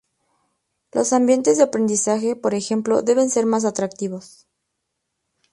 Los ambientes de aprendizaje, por ejemplo, deben ser más atractivos.